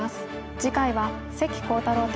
次回は関航太郎対